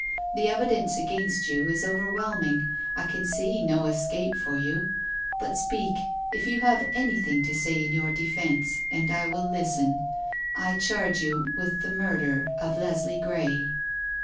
The evidence against you is overwhelming; I can see no escape for you. But speak, if you have anything to say in your defence, and I will listen. I charge you with the murder of Leslie Grey."